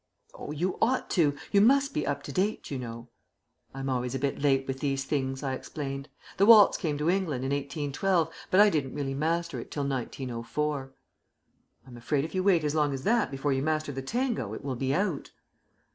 "Oh, you ought to. You must be up to date, you know." "I'm always a bit late with these things," I explained. "The waltz came to England in 1812, but I didn't really master it till 1904." "I'm afraid if you wait as long as that before you master the tango it will be out."